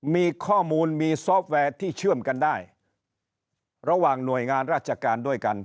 มีข้อมูลมีซอฟต์แวร์ที่เชื่อมกันได้ระหว่างหน่วยงานราชการด้วยกัน